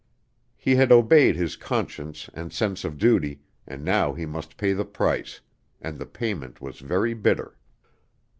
He had obeyed his conscience and sense of duty, and now he must pay the price, and the payment was very bitter.